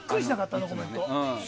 あのコメント。